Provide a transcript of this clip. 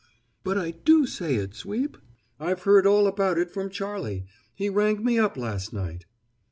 "But I do say it, Sweep! I've heard all about it from Charlie. He rang me up last night."